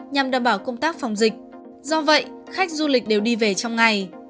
nhằm đảm bảo công tác phòng dịch do vậy khách du lịch đều đi về trong ngày